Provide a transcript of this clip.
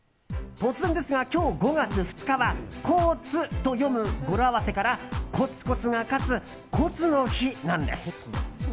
突然ですが、今日５月２日はコツと読む語呂合わせからコツコツが勝つコツの日なんです。